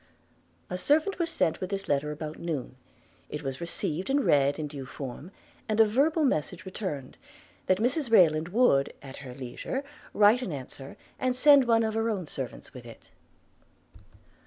A servant was sent with this letter about noon. It was received and read in due form, and a verbal message returned, that Mrs Rayland would at her leisure write an answer, and send one of her own servants with it.